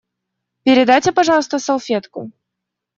Передайте, пожалуйста, салфетку.